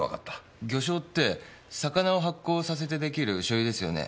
魚醤って魚を発酵させてできる醤油ですよね？